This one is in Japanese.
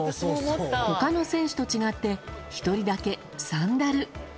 他の選手と違って１人だけ、サンダル。